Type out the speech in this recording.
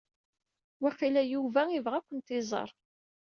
Waqila Yuba ibɣa ad akent-iẓer.